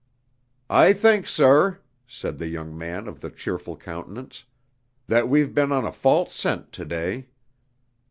"I think sir," said the young man of the cheerful countenance, "that we've been on a false scent to day."